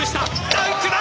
ダンクだ！